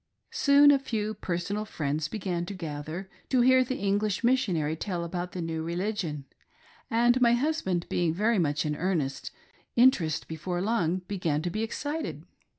Soon a few personal friends began to gather to hear the English Missionary tell about the new religion, and my hus band being very much in earnest, interest before long began to be excited.